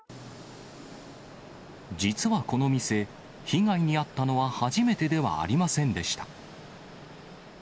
実はこの店、被害に遭ったのは初めてではありませんでした。